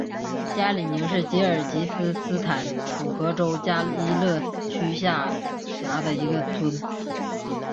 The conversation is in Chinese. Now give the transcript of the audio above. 加里宁是吉尔吉斯斯坦楚河州加依勒区下辖的一个村。